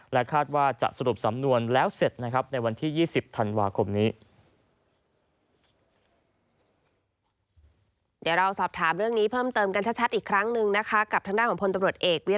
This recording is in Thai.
คาดว่าจะสรุปสำนวนแล้วเสร็จนะครับในวันที่๒๐ธันวาคมนี้